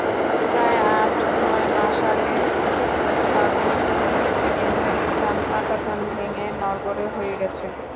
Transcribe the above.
প্রায় আট-নয় মাস আগে সাঁকোটির বিভিন্ন স্থানে পাটাতন ভেঙে নড়বড়ে হয়ে গেছে।